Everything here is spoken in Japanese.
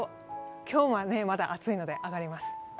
今日はまだ暑いので、上がります。